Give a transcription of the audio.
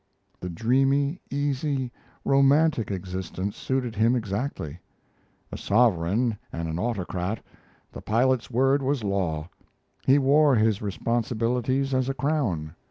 The dreamy, easy, romantic existence suited him exactly. A sovereign and an autocrat, the pilot's word was law; he wore his responsibilities as a crown.